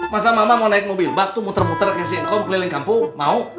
masa mama mau naik mobil baktu muter futer kayak si ngkom keliling kampung mau